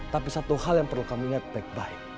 tapi satu hal yang perlu kamu lihat baik baik